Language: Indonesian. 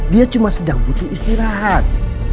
dia cuma sedang butuh istirahat